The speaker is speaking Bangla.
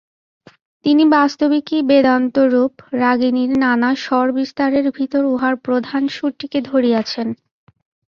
তিনি বাস্তবিকই বেদান্ত-রূপ রাগিণীর নানা স্বর-বিস্তারের ভিতর উহার প্রধান সুরটিকে ধরিয়াছেন।